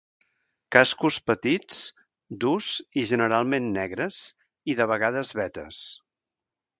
Cascos petits, durs i generalment negres i de vegades vetes.